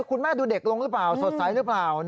คุณแม่ดูเด็กลงหรือเปล่าสดใสหรือเปล่า